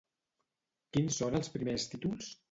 Quins són els primers títols?